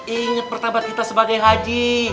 ingat martabat kita sebagai haji